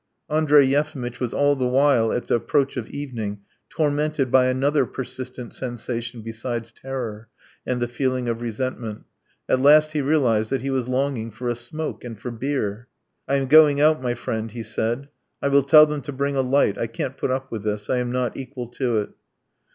Andrey Yefimitch was all the while at the approach of evening tormented by another persistent sensation besides terror and the feeling of resentment. At last he realized that he was longing for a smoke and for beer. "I am going out, my friend," he said. "I will tell them to bring a light; I can't put up with this. ... I am not equal to it.